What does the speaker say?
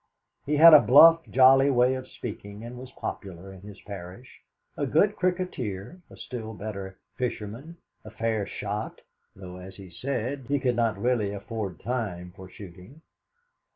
He had a bluff jolly way of speaking, and was popular in his parish a good cricketer, a still better fisherman, a fair shot, though, as he said, he could not really afford time for shooting.